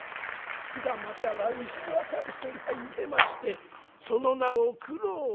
「鞍馬から牛若丸がいでましてその名を九郎判官義経」。